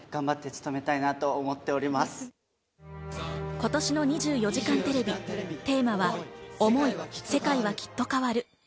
今年の『２４時間テレビ』テーマは「想い世界は、きっと変わる。」。